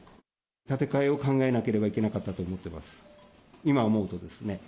建て替えを考えなければいけなかったと思っています。